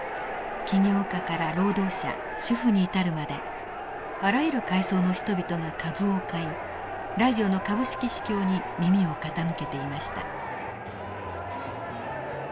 企業家から労働者主婦に至るまであらゆる階層の人々が株を買いラジオの株式市況に耳を傾けていました。